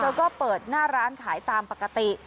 ก็เปิดหน้าร้านขายตามปกติ